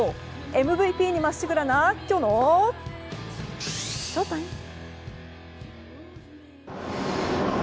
ＭＶＰにまっしぐらなきょうのＳＨＯＴＩＭＥ！